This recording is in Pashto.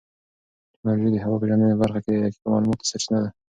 ټیکنالوژي د هوا پېژندنې په برخه کې د دقیقو معلوماتو سرچینه ده.